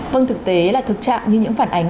vâng thực tế là thực trạng như những phản ánh